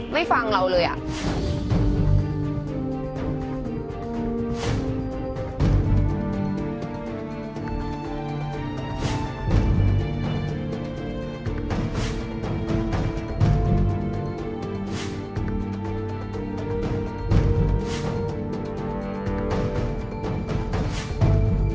ไม่ฟังเราเลยอ่ะ